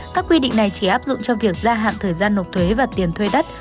các quy định này chỉ áp dụng cho việc gia hạn thời gian nộp thuế và tiền thuê đất